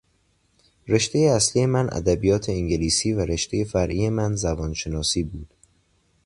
رشتهی اصلی من ادبیات انگلیسی و رشتهی فرعی من زبانشناسی بود.